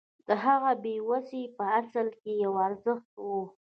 د هغه بې وسي په اصل کې یو ارزښت و